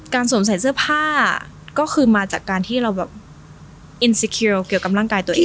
สวมใส่เสื้อผ้าก็คือมาจากการที่เราแบบอินซีคิวเกี่ยวกับร่างกายตัวเอง